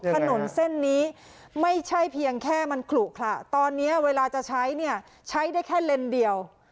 ถนนเส้นนี้ไม่ใช่เพียงแค่มันขลุขระตอนนี้เวลาจะใช้เนี่ยใช้ได้แค่เลนเดียว